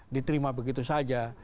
diterima begitu saja